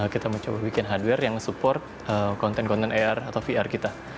kita mencoba bikin hardware yang support konten konten ar atau vr kita